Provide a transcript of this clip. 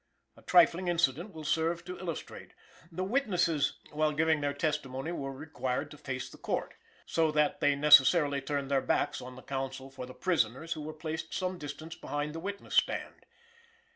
A trifling incident will serve to illustrate. The witnesses, while giving their testimony, were required to face the Court, so that they necessarily turned their backs on the counsel for the prisoners who were placed some distance behind the witness stand.